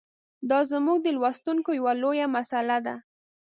دا زموږ د لوستونکو یوه لویه مساله ده.